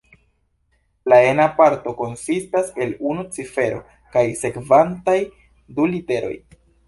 La ena parto konsistas el unu cifero kaj sekvantaj du literoj.